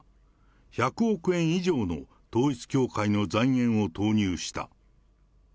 １００億円以上の統一教会の財源を投入した。